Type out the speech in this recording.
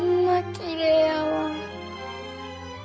きれいやわ。